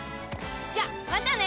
じゃあまたね！